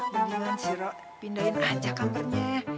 biar lo pindahin aja kamernya